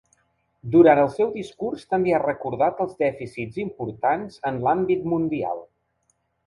Durant el seu discurs també ha recordat els dèficits importants en l’àmbit mundial.